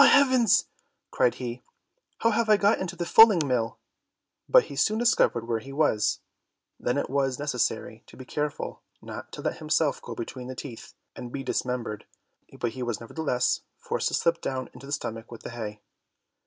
"Ah, heavens!" cried he, "how have I got into the fulling mill?" but he soon discovered where he was. Then it was necessary to be careful not to let himself go between the teeth and be dismembered, but he was nevertheless forced to slip down into the stomach with the hay.